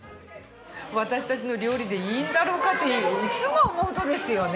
私たちの料理でいいんだろうかっていつも思うとですよね。